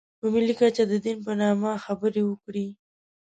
په ملي کچه د دین په نامه خبرې وکړي.